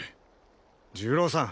重郎さん！